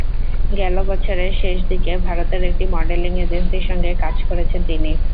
গেল বছরের শেষ দিকে ভারতের একটি মডেলিং এজেন্সির সঙ্গে কাজ করেছেন তিনি।